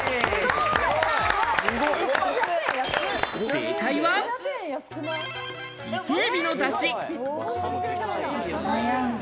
正解は伊勢海老のダシ。